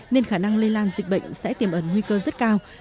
nên khả năng lây lan dịch bệnh sẽ tiềm ẩn nguy cơ rất cao